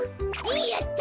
やった！